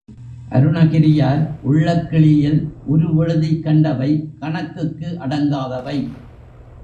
அருணகிரியார் உள்ளக்கிழியில் உருவெழுதிக் கண்டவை கணக்குக்கு அடங்காதவை.